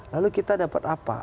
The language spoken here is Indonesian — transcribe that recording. lalu kita dapat apa